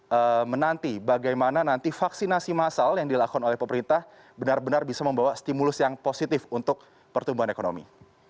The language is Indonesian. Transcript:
dan menanti bagaimana nanti vaksinasi massal yang dilakukan oleh pemerintah benar benar bisa membawa stimulus yang positif untuk pertumbuhan ekonomi